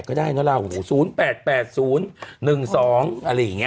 ก็ได้นะลาหู๐๘๘๐๑๒อะไรอย่างนี้